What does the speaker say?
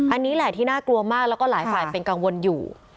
อันนี้แหละที่น่ากลัวมากแล้วก็หลายฝ่ายเป็นกังวลอยู่